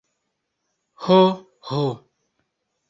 Ho, ho!